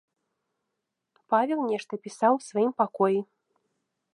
Павел нешта пісаў у сваім пакоі.